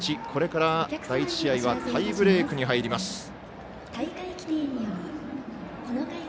これから第１試合はタイブレークに入ります。